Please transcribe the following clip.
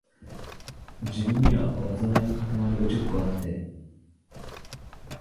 自分には、禍いのかたまりが十個あって、